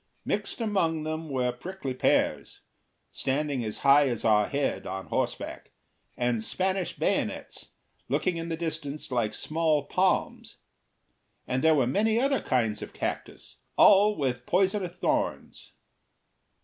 Mixed among them were prickly pears, standing as high as our heads on horseback, and Spanish bayonets, looking in the distance like small palms; and there were many other kinds of cactus, all with poisonous thorns.